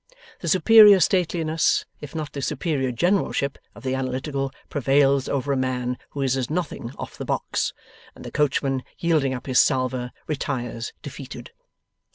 The superior stateliness, if not the superior generalship, of the Analytical prevails over a man who is as nothing off the box; and the Coachman, yielding up his salver, retires defeated.